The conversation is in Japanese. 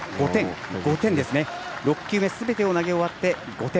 ６球目すべてを投げ終わって５点。